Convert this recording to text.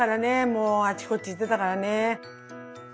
もうあっちこっち行ってたからね。